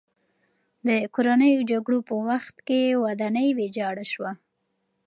د کورنیو جګړو په وخت کې ودانۍ ویجاړه شوې.